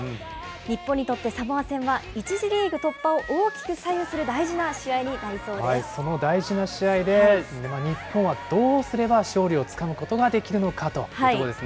日本にとってサモア戦は１次リーグ突破を大きく左右する大事な試その大事な試合で、日本はどうすれば勝利をつかむことができるのかというところです